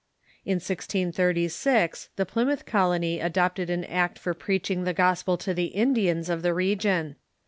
In 1636 the Plymouth colony adopted an act for preaching the gospel to the Indians of the region.